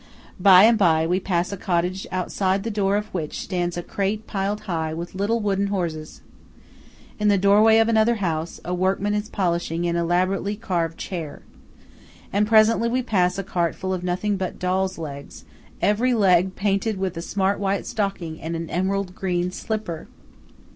By and by we pass a cottage outside the door of which stands a crate piled high with little wooden horses. In the doorway of another house, a workman is polishing an elaborately carved chair. And presently we pass a cart full of nothing but–dolls' legs; every leg painted with a smart white stocking and an emerald green slipper!